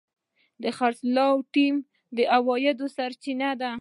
د خرڅلاو ټیم د عوایدو سرچینه ده.